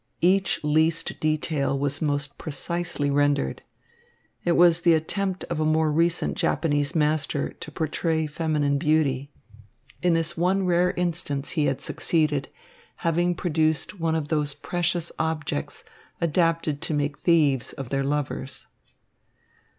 Each least detail was most precisely rendered. It was the attempt of a more recent Japanese master to portray feminine beauty. In this one rare instance he had succeeded, having produced one of those precious objects adapted to make thieves of their lovers.